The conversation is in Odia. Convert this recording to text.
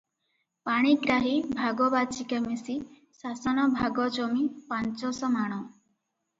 ପାଣିଗ୍ରାହୀ ଭାଗବାଚିକା ମିଶି ଶାସନ ଭାଗ ଜମି ପାଞ୍ଚଶ ମାଣ ।